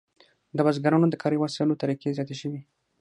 د بزګرانو د کاري وسایلو طریقې زیاتې شوې.